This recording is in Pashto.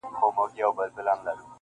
څوک یې نه لیدی پر مځکه چي دښمن وي -